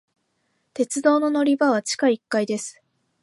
鉄道の乗り場は地下一階です。